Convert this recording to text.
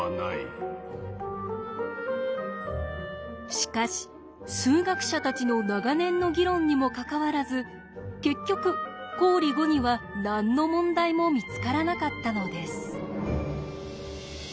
しかし数学者たちの長年の議論にもかかわらず結局公理５には何の問題も見つからなかったのです。